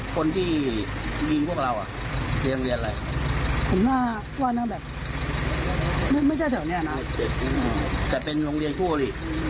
คนเจ็บเนี่ยดีมากแต่เป็นโลงเรียนทั่วไป